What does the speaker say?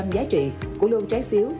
năm mươi giá trị của lô trái phiếu